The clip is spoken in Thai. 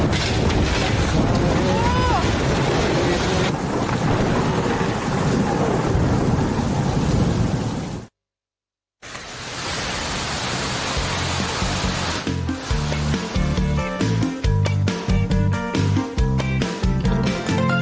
โปรดติดตามตอนต่อไป